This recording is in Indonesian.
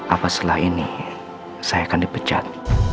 apa setelah ini saya akan dipecat